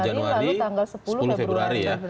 dua puluh tujuh januari lalu tanggal sepuluh februari